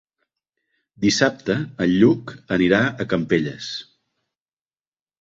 Dissabte en Lluc anirà a Campelles.